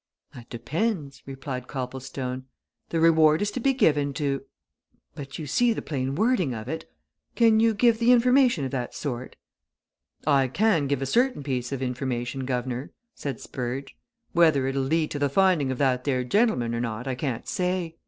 "That depends," replied Copplestone. "The reward is to be given to but you see the plain wording of it. Can you give information of that sort?" "I can give a certain piece of information, guv'nor," said Spurge. "Whether it'll lead to the finding of that there gentleman or not I can't say.